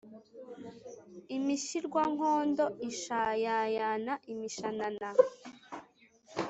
imisharwangondo ishayayana imishanana